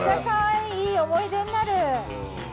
いい思い出になる。